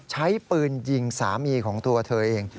ใช้ปืนยิงสามีของตัวเธอเอง